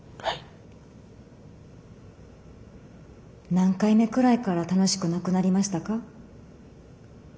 何回目くらいから楽しくなくなりましたか？